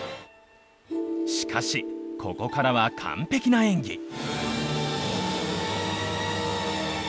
しかし、ここからは完璧な演技。